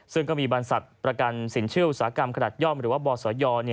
ซึ่งก็มีบรรษัทประกันสินเชื่ออุตสาหกรรมขนาดย่อมหรือว่าบศย